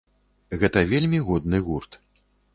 Гэта вельмі годны гурт.